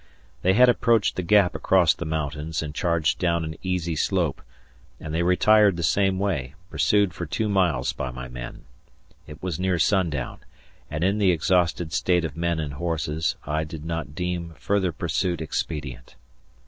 They had approached the Gap across the mountains and charged down an easy slope, and they retired the same way, pursued for two miles by my men. It was near sundown, and in the exhausted state of men and horses, I did not deem further pursuit expedient.